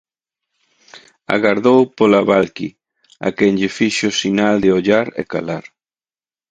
Agardou pola Valqui, a quen lle fixo sinal de ollar e calar.